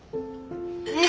え？